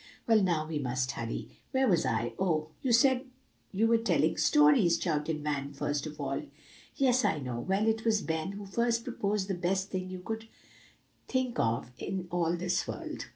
Well, now we must hurry. Where was I? Oh" "You said you were telling stories," shouted Van, first of all. "Yes, I know. Well, it was Ben who first proposed the best thing you could think of in all this world.